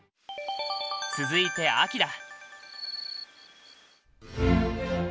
続いて「秋」だ！